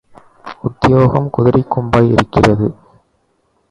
உத்தியோகம் குதிரைக் கொம்பாய் இருக்கிறது.